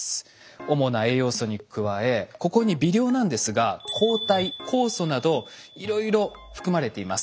主な栄養素に加えここに微量なんですが抗体酵素などいろいろ含まれています。